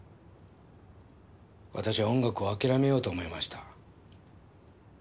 私は音楽をあきらめようと思いました。